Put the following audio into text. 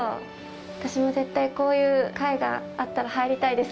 私も絶対、こういう会があったら入りたいです。